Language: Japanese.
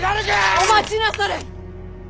お待ちなされ！